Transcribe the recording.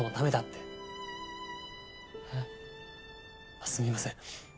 えっ？あっすみません。